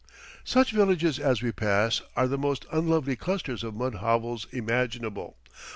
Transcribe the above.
Such villages as we pass are the most unlovely clusters of mud hovels imaginable.